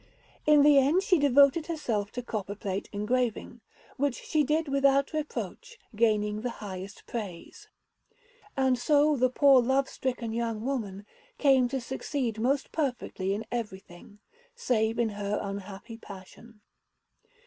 In the end she devoted herself to copper plate engraving, which she did without reproach, gaining the highest praise. And so the poor love stricken young woman came to succeed most perfectly in everything, save in her unhappy passion.